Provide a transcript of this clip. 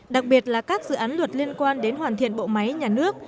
đặc biệt là các dự án luật liên quan đến hoàn thiện bộ máy nhà nước